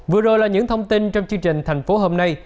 vừa rồi là những thông tin trong chương trình thành phố hôm nay